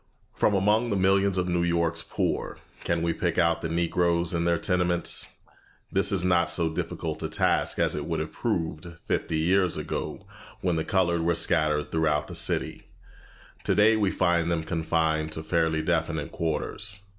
From among the millions of New York's poor, can we pick out the Negroes in their tenements? This is not so difficult a task as it would have proved fifty years ago when the colored were scattered throughout the city; today we find them confined to fairly definite quarters.